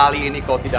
aku mau kesana